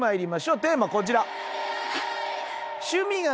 テーマこちら。